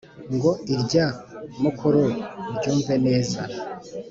ngo irya mukuru uryumve neza,